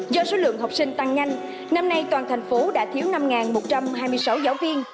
do số lượng học sinh tăng nhanh năm nay toàn thành phố đã thiếu năm một trăm hai mươi sáu giáo viên